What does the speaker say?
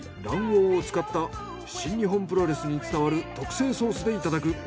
卵黄を使った新日本プロレスに伝わる特製ソースでいただく。